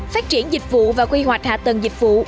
phát triển dịch vụ và quy hoạch hạ tầng dịch vụ